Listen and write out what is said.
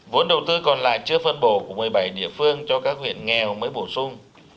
vốn đầu tư còn lại chưa phân bổ của một mươi bảy địa phương cho các huyện nghèo mới bổ sung